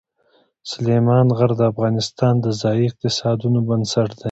سلیمان غر د افغانستان د ځایي اقتصادونو بنسټ دی.